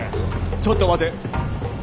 ちょっと待て。